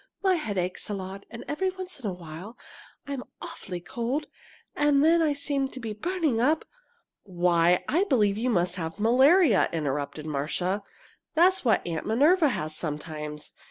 My head aches a lot, and every once in a while I'm awfully cold, and then I seem to be burning up " "Why, I believe you must have malaria!" interrupted Marcia. "That's what Aunt Minerva has sometimes.